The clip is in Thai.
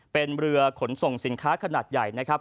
เป็นเรือขนส่งสินค้าขนาดใหญ่นะครับ